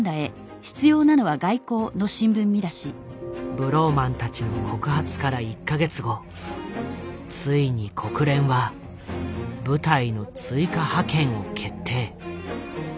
ブローマンたちの告発から１か月後ついに国連は部隊の追加派遣を決定。